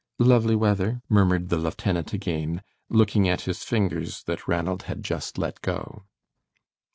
"Lovely weather," murmured the lieutenant again, looking at his fingers that Ranald had just let go.